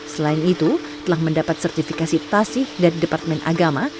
selain itu telah mendapat sertifikasi pasih dari departemen agama